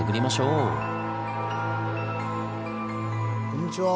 こんにちは。